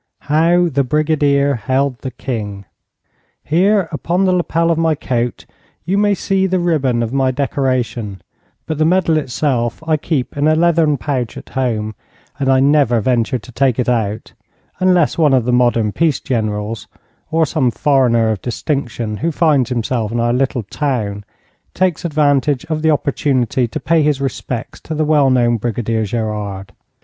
HOW THE BRIGADIER HELD THE KING Here, upon the lapel of my coat, you may see the ribbon of my decoration, but the medal itself I keep in a leathern pouch at home, and I never venture to take it out unless one of the modern peace generals, or some foreigner of distinction who finds himself in our little town, takes advantage of the opportunity to pay his respects to the well known Brigadier Gerard.